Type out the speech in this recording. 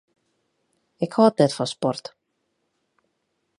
Ik hâld net fan sport.